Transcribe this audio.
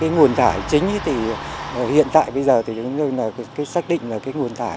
nguồn thải chính thì hiện tại bây giờ thì chúng tôi xác định là nguồn thải